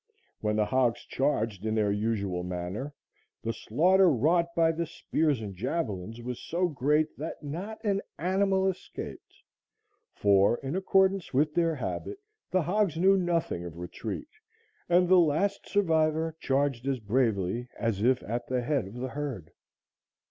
When the hogs charged in their usual manner, the slaughter wrought by the spears and javelins was so great that not an animal escaped, for, in accordance with their habit, the hogs knew nothing of retreat, and the last survivor charged as bravely as if at the head of the herd.